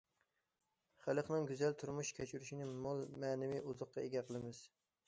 خەلقنىڭ گۈزەل تۇرمۇش كەچۈرۈشىنى مول مەنىۋى ئوزۇققا ئىگە قىلىمىز.